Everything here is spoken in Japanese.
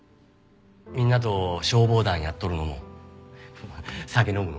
みんなと消防団やっとるのも酒飲むのもな。